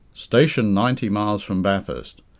Station ninety miles from Bathurst.